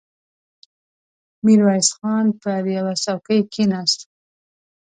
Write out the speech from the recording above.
ميرويس خان پر يوه څوکۍ کېناست.